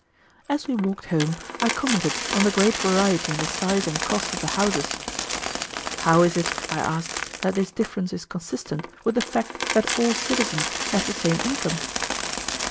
As we walked home I commented on the great variety in the size and cost of the houses. "How is it," I asked, "that this difference is consistent with the fact that all citizens have the same income?"